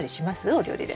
お料理で。